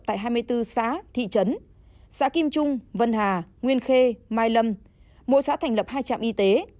tại hai mươi bốn xã thị trấn xã kim trung vân hà nguyên khê mai lâm mỗi xã thành lập hai trạm y tế